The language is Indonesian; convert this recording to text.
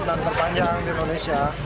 dan terpanjang di indonesia